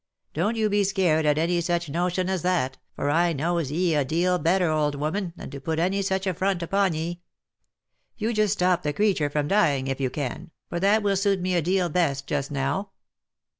Don't you be scared at any such notion as that, 280 THE LIFE AND ADVENTURES for I knows ye a deal better, old woman, than to put any such affront upon ye. You just stop the creature from dying, if you can, for that will suit me a deal best just now."